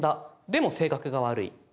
でも、性格が悪い。」